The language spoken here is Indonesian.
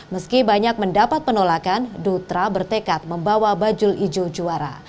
meski banyak mendapat penolakan dutra bertekad membawa bajul ijo juara